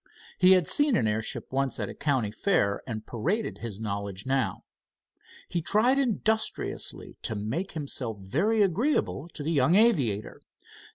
He had seen an airship once at a county fair and paraded his knowledge now. He tried industriously to make himself very agreeable to the young aviator.